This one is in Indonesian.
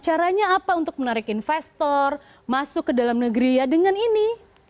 caranya apa untuk menarik investor masuk ke dalam negeri ya dengan ini